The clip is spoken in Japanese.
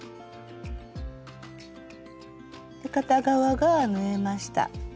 片側が縫えました。